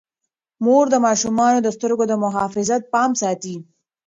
مور د ماشومانو د سترګو د محافظت پام ساتي.